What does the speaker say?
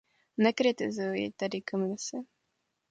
Nekritizuji tedy Komisi.